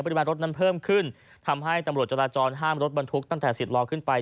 ปริมาณรถนั้นเพิ่มขึ้นทำให้ตำรวจจราจรห้ามรถบรรทุกตั้งแต่สิบล้อขึ้นไป